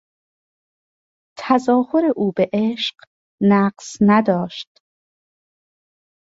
تظاهر او به عشق نقص نداشت.